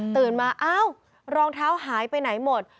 มาอ้าวรองเท้าหายไปไหนหมด